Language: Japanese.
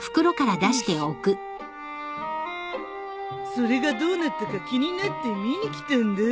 それがどうなったか気になって見に来たんだ。